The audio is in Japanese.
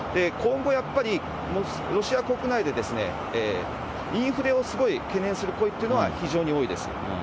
今後やっぱり、ロシア国内でインフレをすごい懸念する声っていうのは非常に多いです。